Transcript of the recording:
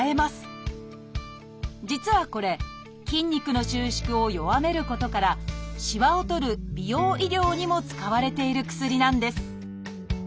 実はこれ筋肉の収縮を弱めることからしわをとる美容医療にも使われている薬なんです